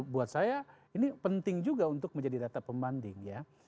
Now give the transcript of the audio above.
buat saya ini penting juga untuk menjadi data pembanding ya